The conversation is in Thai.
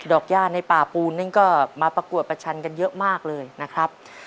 ย่าในป่าปูนนี่ก็มาประกวดประชันกันเยอะมากเลยนะครับ